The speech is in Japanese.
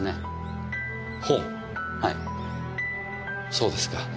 そうですか。